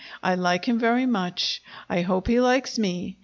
I like him very much. I hope he likes me.